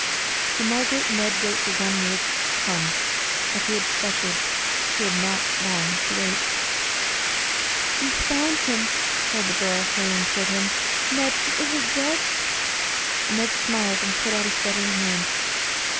To Margaret Ned wrote the one word "Come," and as he expected, he had not long to wait. "You have found him!" cried the girl, hurrying toward him. "Ned, he isn't dead!" Ned smiled and put out a steadying hand.